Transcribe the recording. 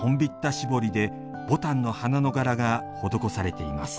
絞りでぼたんの花の柄が施されています。